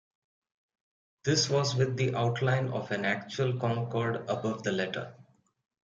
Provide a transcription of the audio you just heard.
This was with the outline of an actual Concorde above the letter.